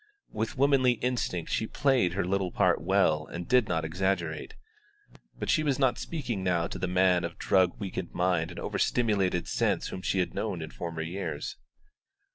With womanly instinct she played her little part well and did not exaggerate; but she was not speaking now to the man of drug weakened mind and over stimulated sense whom she had known in former years.